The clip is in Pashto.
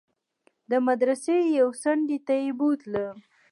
د مدرسې يوې څنډې ته يې بوتلم.